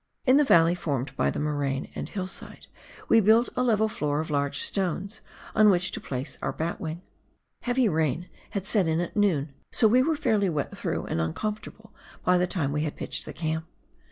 In the valley formed by the moraine and hillside, we built a level floor of large stones on which to place out batwing. Heavy rain had set in at noon, so we were fairly wet through and uncomfortable by the time we had pitched the camp.